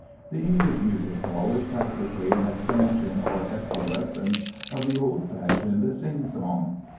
The English music hall is practically an expansion or efflorescence of the old fashioned "sing song."